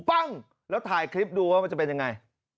ปั้งแล้วถ่ายคลิปดูว่ามันจะเป็นยังไง